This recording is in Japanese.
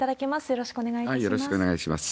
よろしくお願いします。